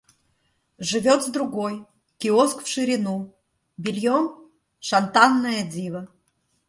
Живет с другой — киоск в ширину, бельем — шантанная дива.